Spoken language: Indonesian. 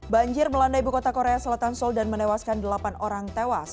banjir melanda ibu kota korea selatan seoul dan menewaskan delapan orang tewas